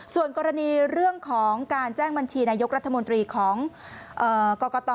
ส่วนกรณีเรื่องของการแจ้งบัญชีนายกรัฐมนตรีของกรกต